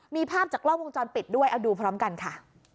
มีภาพจากกล้องวงจรปิดด้วยเอาดูพร้อมกันค่ะ